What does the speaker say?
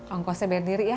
ongkosnya berdiri ya